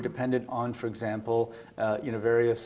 ada orang yang bergantung pada